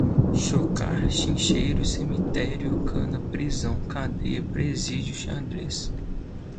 chocar, chincheiro, cemitério, cana, prisão, cadeia, presídio, xadrez